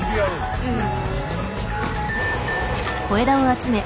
うん。